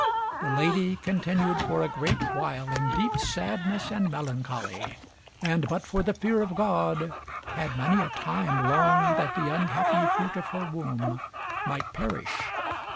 The lady continued for a great while in deep sadness and melancholy, and, but for the fear of God, had many a time longed that the unhappy fruit of her womb might perish.